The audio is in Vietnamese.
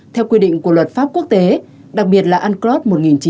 theo quy định của luật pháp quốc tế đặc biệt là unclos một nghìn chín trăm tám mươi hai